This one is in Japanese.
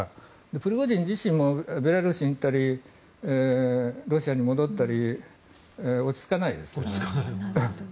プリゴジン自身もベラルーシに行ったりロシアに戻ったり落ち着かないですね。